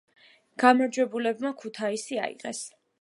გამარჯვებულებმა ქუთაისი აიღეს.